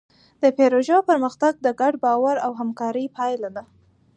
د پيژو پرمختګ د ګډ باور او همکارۍ پایله ده.